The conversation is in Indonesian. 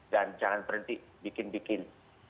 dan jangan berhenti bikin bikin